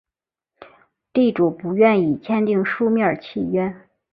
地主不愿意订立书面契约